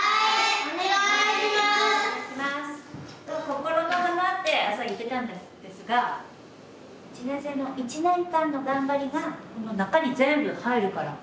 心の花って朝言ってたんですが１年生の１年間の頑張りがこの中に全部入るから。